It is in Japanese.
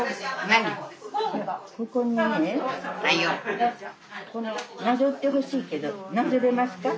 なぞってほしいけどなぞれますか？